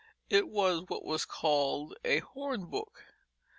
It was what was called a hornbook.